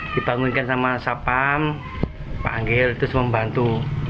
dibangunkan sama sapam panggil terus membantu